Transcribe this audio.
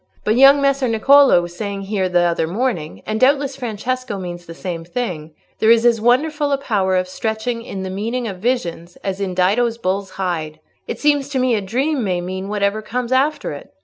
But young Messer Niccolò was saying here the other morning—and doubtless Francesco means the same thing—there is as wonderful a power of stretching in the meaning of visions as in Dido's bull's hide. It seems to me a dream may mean whatever comes after it.